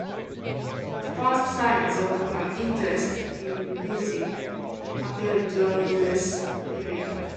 The first signs of her interest in music appeared during this period.